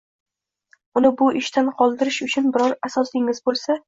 uni bu ishdan qoldirish uchun biror asosingiz bo‘lsa